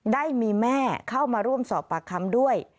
ได้มีแม่เข้ามาร่วมสอบปากคำด้วย